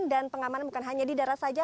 dan pengaman bukan hanya di darat saja